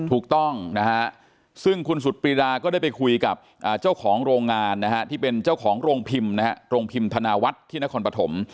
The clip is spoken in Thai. ถูกต้องนะฮะซึ่งคุณสุดปรีดาก็ได้ไปคุยกับเจ้าของโรงงานนะฮะที่เป็นเจ้าของโรงพิมพ์นะฮะโรงพิมพ์ธนาวัฒน์ที่นครปฐม